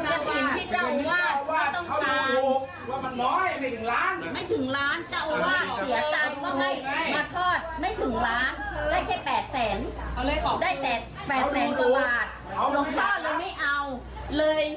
เพื่อจะได้เป็นสวัสดิ์น้ำคืนที่วัดกลิ่นท้องต้องการ